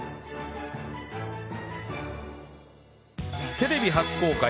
テレビ初公開！